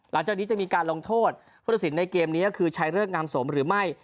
หลังจากนี้จะมีการลงโทษผู้ช่วยผู้ช่วยผู้ช่วยผู้ช่วยในเกมนี้ก็คือใช้เลิกงามสมหรือไม่